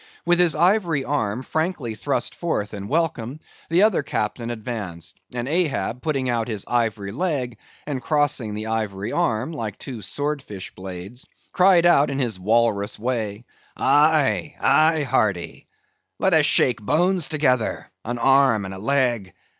With his ivory arm frankly thrust forth in welcome, the other captain advanced, and Ahab, putting out his ivory leg, and crossing the ivory arm (like two sword fish blades) cried out in his walrus way, "Aye, aye, hearty! let us shake bones together!—an arm and a leg!